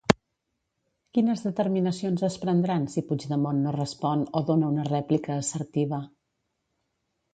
Quines determinacions es prendran si Puigdemont no respon o dona una rèplica assertiva?